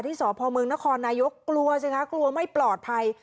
ที่สพมนกลัวไม่ปลอดภัย